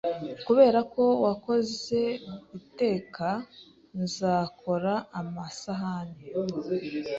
Kubera ko wakoze guteka, nzakora amasahani